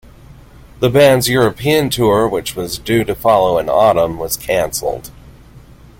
The band's European tour which was due to follow in autumn was cancelled.